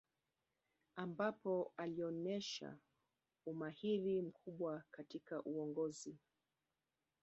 Ambapo alionesha umahiri mkubwa katika uongozi